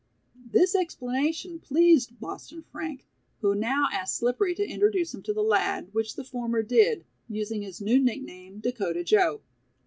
This explanation pleased Boston Frank, who now asked Slippery to introduce him to the lad, which the former did, using his new nickname, "Dakota Joe."